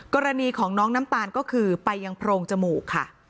กรณีของน้องน้ำตาลก็คือไปยังโพรงจมูกค่ะ